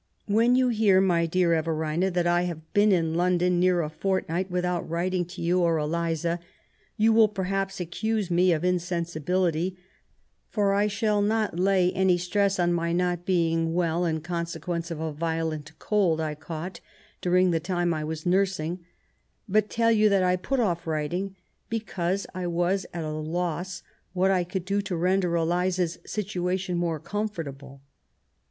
When you hear, my dear Everina, that I have been in London near a fortnight without writing to yon or Eliza, yon will perhaps accuse me of insensibility ; for I shall not lay any stress on my not being well in consequence of a violent cold I caught during the time I was nursing, but tell you that I put off writing because I was at a loss what I could do to render Eliza's situation more comfortable.